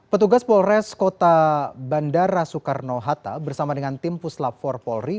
petugas polres kota bandara soekarno hatta bersama dengan tim puslap empat polri